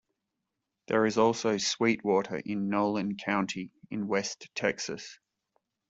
There is also Sweetwater in Nolan County in West Texas.